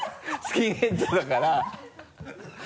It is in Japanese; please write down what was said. スキンヘッドだから。